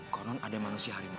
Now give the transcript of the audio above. konon ada manusia harimau